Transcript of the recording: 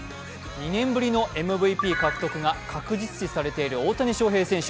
２年ぶりのＭＶＰ獲得が確実視されている大谷翔平選手。